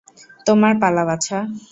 তোমার পালা, বাছা।